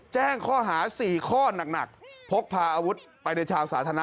แจ้งข้อหา๔ข้อหนักพกพาอาวุธไปในชาวสาธารณะ